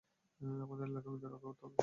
আমাদের এলাকার মেয়েদের রক্ষা করতে হবে।